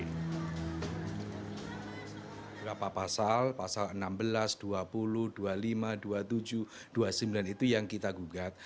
beberapa pasal pasal enam belas dua puluh dua puluh lima dua puluh tujuh dua puluh sembilan itu yang kita gugat